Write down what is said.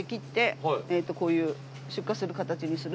こういう出荷する形にする。